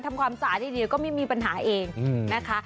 ความสะอาดดีก็ไม่มีปัญหาเองนะคะ